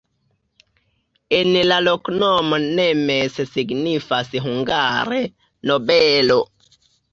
En la loknomo nemes signifas hungare: nobelo.